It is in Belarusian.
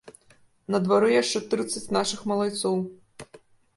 На двары яшчэ трыццаць нашых малайцоў.